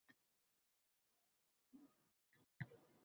Axir, unda